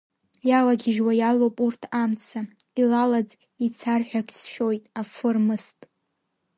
Иалагьежьуа иалоуп урҭ амца, илалаӡ ицарҳәагь сшәоит, афы рмыст.